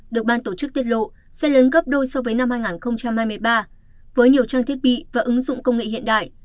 được ban tổ chức tiết lộ sẽ lớn gấp đôi so với năm hai nghìn hai mươi ba với nhiều trang thiết bị và ứng dụng công nghệ hiện đại